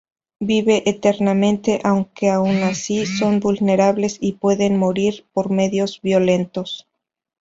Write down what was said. Viven eternamente, aunque aun así son vulnerables y pueden morir por medios violentos.